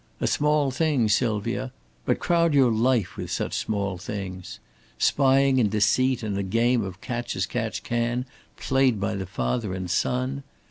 A small thing, Sylvia. But crowd your life with such small things? Spying and deceit and a game of catch as catch can played by the father and son!